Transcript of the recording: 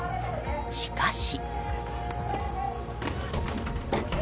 しかし。